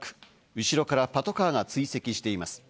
後ろからパトカーが追跡しています。